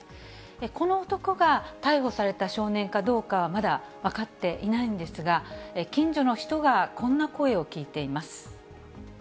この男が、逮捕された少年かどうかは、まだ分かっていないんですが、近所の人がこんな声を聞いています。